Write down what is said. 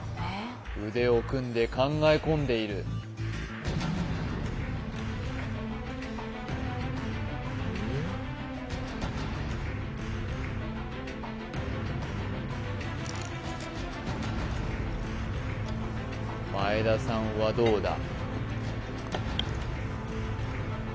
腕を組んで考え込んでいる前田さんはどうだ？